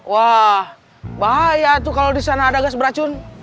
wah bahaya tuh kalau di sana ada gas beracun